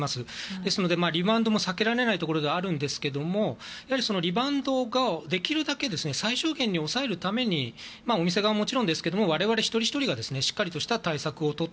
ですのでリバウンドも避けられないところではあるんですがリバウンドをできるだけ最小限に抑えるためにお店側はもちろん我々一人ひとりがしっかりとした対策をとる。